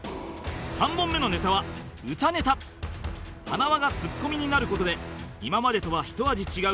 ３本目のネタは歌ネタ塙がツッコミになる事で今までとは一味違う